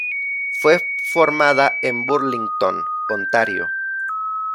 Fue formada en Burlington, Ontario.